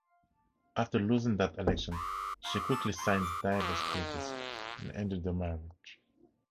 After losing that election, she quickly signed the divorce papers and ended the marriage.